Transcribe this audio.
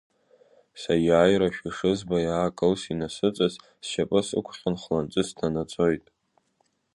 Саиааирашәа шызбо, иаакылс, инасыҵас, сшьапы сықәҟьан хланҵы сҭанаҵоит.